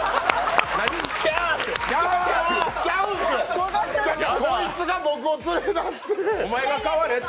ちゃう、こいつが僕を連れ出して。